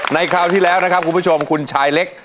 คราวที่แล้วนะครับคุณผู้ชมคุณชายเล็ก